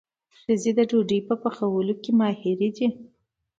ښځې د ډوډۍ په پخولو کې ماهرې دي.